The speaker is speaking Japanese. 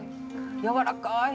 やわらかい。